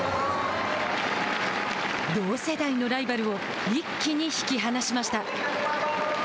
同世代のライバルを一気に引き離しました。